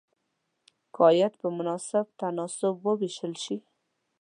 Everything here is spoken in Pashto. که عاید په مناسب تناسب وویشل شي.